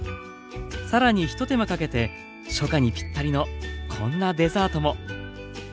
さらにひと手間かけて初夏にぴったりのこんなデザートも。